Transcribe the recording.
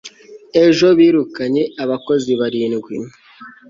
ejo birukanye abakozi barindwi